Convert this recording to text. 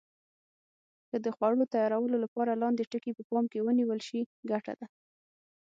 که د خوړو تیارولو لپاره لاندې ټکي په پام کې ونیول شي ګټه ده.